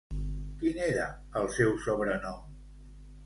Quin era el seu sobrenom?